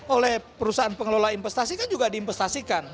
oleh perusahaan pengelola investasi kan juga diinvestasikan